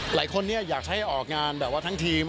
หลายคนเนี่ยอยากให้ออกงานแบบทั้งทีม